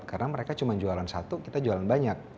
karena mereka cuma jualan satu kita jualan banyak